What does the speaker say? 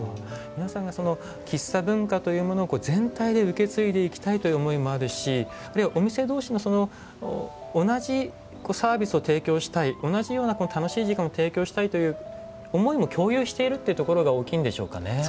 皆さんが喫茶文化というものを全体で受け継いでいきたいという思いもあるしあるいはお店同士の同じサービスを提供したい同じような楽しい時間を提供したいという思いも共有しているっていうところが大きいんでしょうかね。